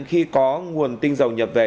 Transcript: khi có nguồn tinh dầu nhập về